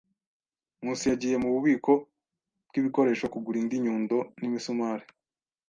Nkusi yagiye mububiko bwibikoresho kugura indi nyundo n imisumari.